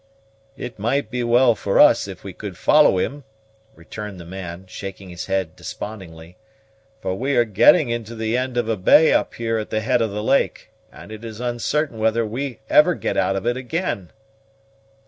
"It might be well for us if we could follow him," returned the man, shaking his head despondingly, "for we are getting into the end of a bay up here at the head of the lake, and it is uncertain whether we ever get out of it again!"